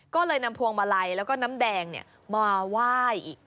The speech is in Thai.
ก็เลยนำพวงมาลัยแล้วก็น้ำแดงมาไหว้อีก